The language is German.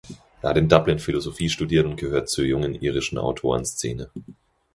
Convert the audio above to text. Er hat in Dublin Philosophie studiert und gehört zur jungen irischen Autoren-Szene.